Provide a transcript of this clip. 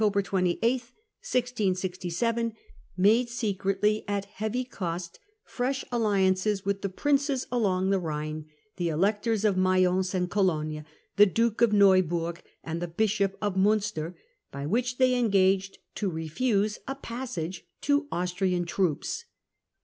28, 1667) made secretly at a heavy cost fresh alliances with the Princes along the Rhine, the Electors of Maycnce and Cologne, the Duke of Neuburg, and the Bishop of Munster, by which they engaged to refuse a passage to Austrian troops.